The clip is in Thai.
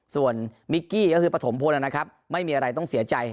ส่วนมิกกี้ก็คือปฐมพลนะครับไม่มีอะไรต้องเสียใจ